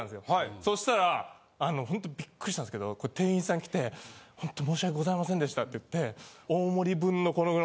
そしたら本当ビックリしたんですけど店員さん来て「本当申し訳ございませんでした」って言って。